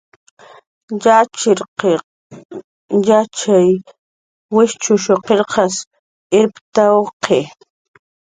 "Yatxchiriq yatxay wijchushuq qillq irptawq""i"